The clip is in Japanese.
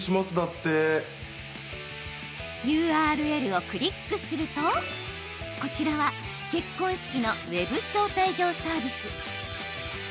ＵＲＬをクリックするとこちらは結婚式のＷｅｂ招待状サービス。